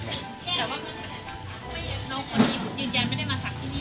แล้วอ่ะ